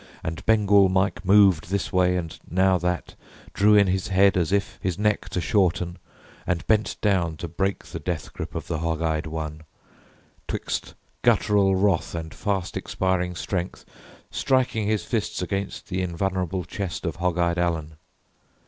And Bengal Mike Moved this way and now that, drew in his head As if his neck to shorten, and bent down To break the death grip of the hog eyed one; 'Twixt guttural wrath and fast expiring strength Striking his fists against the invulnerable chest Of hog eyed Allen.